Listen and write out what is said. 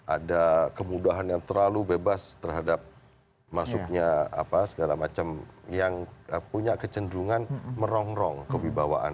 ada kemudahan yang terlalu bebas terhadap masuknya segala macam yang punya kecenderungan merongrong kewibawaan